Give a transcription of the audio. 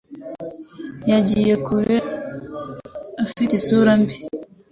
Yagiye kure afite isura mbi.